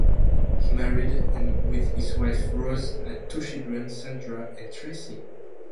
He married and with his wife Rose had two children Sandra and Tracey.